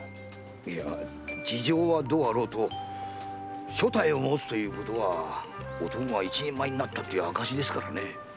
いや事情はどうあろうと所帯を持つということは男が一人前になった証しですからね。